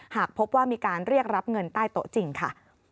หากพบว่ามีการเรียกรับเงินใต้โต๊ะจริงค่ะ